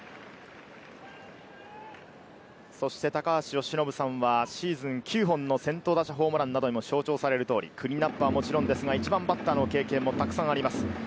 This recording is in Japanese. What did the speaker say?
高橋由伸さんはシーズン９本の先頭打者ホームランなどにも象徴される通り、クリーンナップはもちろんですが、１番バッターの経験もたくさんあります。